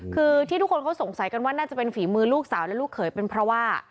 คือที่ทุกคนเขาสงสัยกันว่าน่าจะเป็นฝีมือลูกสาวและลูกเขยเป็นเพราะว่า